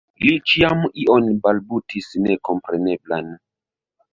Li ĉiam ion balbutis nekompreneblan.